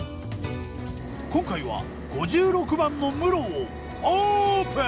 今回は５６番の室をオープン！